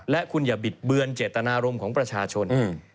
และคุณอย่าบิดเบือนเจตนารมณ์ของประชาชน